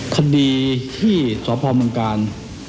คดีที่สพเมืองกาล